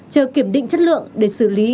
chờ kiểm định chất lượng để xử lý